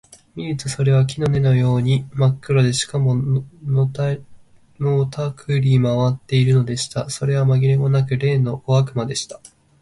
見るとそれは木の根のようにまっ黒で、しかも、のたくり廻っているのでした。それはまぎれもなく、例の小悪魔でした。